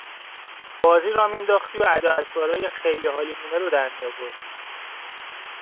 بازی راه می انداختی و ادا اطوارای خیلی حالیمونه رو در می آوردی